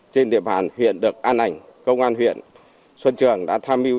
trên địa bàn huyện được an ảnh công an huyện xuân trường đã tham mưu